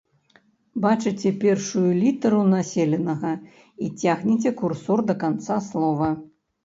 Бачыце першую літару населенага і цягніце курсор да канца слова.